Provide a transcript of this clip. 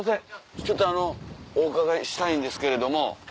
ちょっとお伺いしたいんですけれども。